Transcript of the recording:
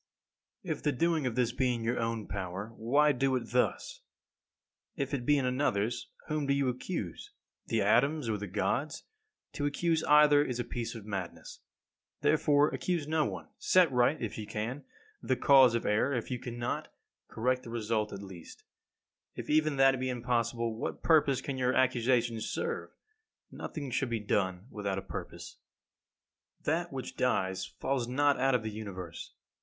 17. If the doing of this be in your own power, why do it thus? If it be in another's, whom do you accuse? The atoms or the Gods? To accuse either is a piece of madness. Therefore accuse no one. Set right, if you can, the cause of error; if you cannot, correct the result at least. If even that be impossible, what purpose can your accusations serve? Nothing should be done without a purpose. 18. That which dies falls not out of the Universe.